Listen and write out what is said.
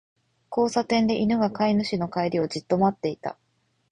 交差点で、犬が飼い主の帰りをじっと待っていた。